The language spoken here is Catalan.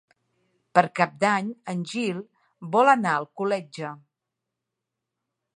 Per Cap d'Any en Gil vol anar a Alcoletge.